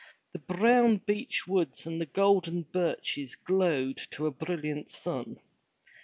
The brown beech woods and golden birches glowed to a brilliant sun.